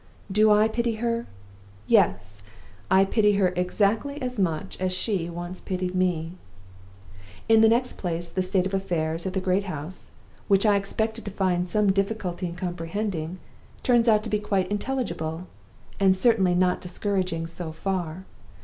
Do I pity her? Yes! I pity her exactly as much as she once pitied me! "In the next place, the state of affairs at the great house, which I expected to find some difficulty in comprehending, turns out to be quite intelligible, and certainly not discouraging so far.